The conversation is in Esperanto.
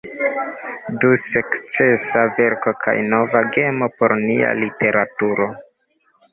Do sukcesa verko, kaj nova gemo por nia literaturo.